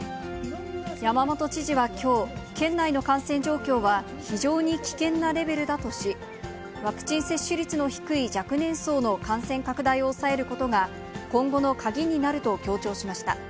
山本知事はきょう、県内の感染状況は、非常に危険なレベルだとし、ワクチン接種率の低い若年層の感染拡大を抑えることが今後の鍵になると強調しました。